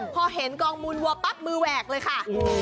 พอเห็นกองมูลวัวปั๊บมือแหวกเลยค่ะ